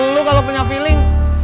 lu kalau punya feeling